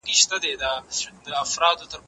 زه به سبا ليکلي پاڼي ترتيب کوم